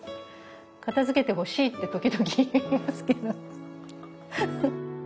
片づけてほしいって時々言いますけどフフッ。